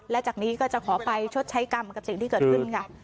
และจากนี้ก็จะขอไปชดใช้กรรมกับสิ่งที่เกิดขึ้นค่ะ